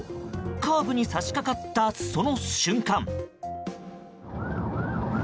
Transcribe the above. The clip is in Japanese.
カーブに差し掛かったその瞬間。